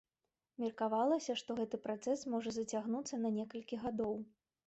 Меркавалася, што гэты працэс можа зацягнуцца на некалькі гадоў.